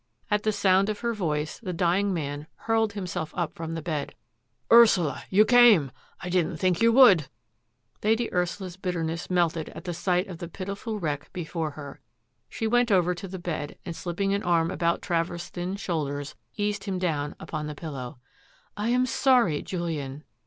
" At the sound of her voice the dying man hurled himself up from the bed. " Ursula! You came! I didn't think that you would." Lady Ursula's bitterness melted at sight of the pitiful wreck before her. She went over to the bed, and slipping an arm about Travers' thin shoulders, eased him down upon the pillow. " I am sorry, Julian."